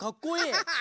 ハハハ！